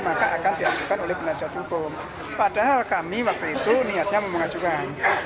maka akan diajukan oleh penajat hukum padahal kami waktu itu niatnya memengajukan